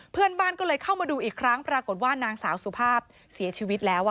เพื่อนบ้านก็เลยเข้ามาดูอีกครั้งปรากฏว่านางสาวสุภาพเสียชีวิตแล้ว